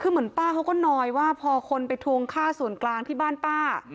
คือเหมือนป้าเขาก็นอยว่าพอคนไปทวงค่าส่วนกลางที่บ้านป้า